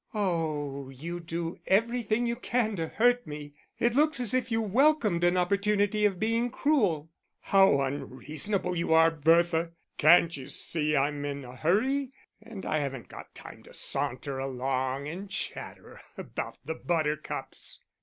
"Oh, you do everything you can to hurt me. It looks as if you welcomed an opportunity of being cruel." "How unreasonable you are, Bertha. Can't you see that I'm in a hurry, and I haven't got time to saunter along and chatter about the buttercups."